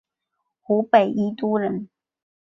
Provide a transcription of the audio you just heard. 湖北宜都人。